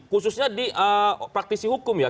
khususnya di praktisi hukum ya